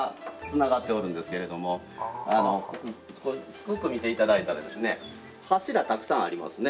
低く見て頂いたらですね柱たくさんありますね。